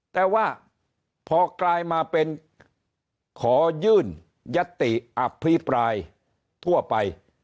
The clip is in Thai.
แต่ว่าพอกลายมาเป็นขอยื่นยติอภิปรายทั่วไป